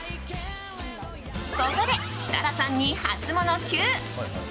ここで、設楽さんにハツモノＱ！